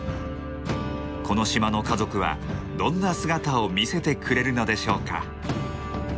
この島の家族はどんな姿を見せてくれるのでしょうか？